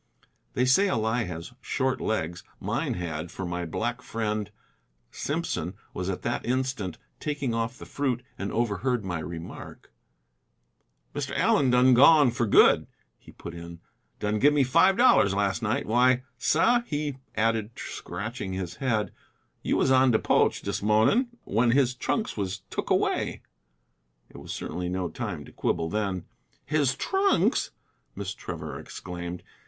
They say a lie has short legs. Mine had, for my black friend, Simpson, was at that instant taking off the fruit, and overheard my remark. "Mr. Allen done gone for good," he put in, "done give me five dollars last night. Why, sah," he added, scratching his head, "you was on de poch dis mornin' when his trunks was took away!" It was certainly no time to quibble then. "His trunks!" Miss Trevor exclaimed.